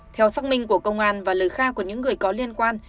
theo xác minh của công an và lời khai của những người có liên quan